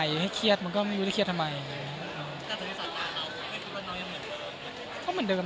เดิมแต่วันแรกกว่านี้ก็ยังเหมือนเดิม